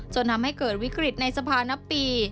จนทำให้เกิดวิกฤตในสภานับปี